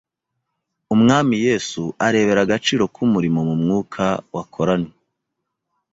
Umwami Yesu arebera agaciro k’umurimo mu mwuka wakoranywe.